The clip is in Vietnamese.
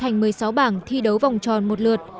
thành một mươi sáu bảng thi đấu vòng tròn một lượt